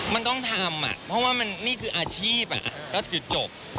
มันต้องทำเพราะว่ามันนี่คืออาชีพก็คือจบ